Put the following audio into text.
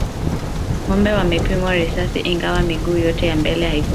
Ng'ombe wamepigwa risasi ingawa miguu yote ya mbele haikuvunjika.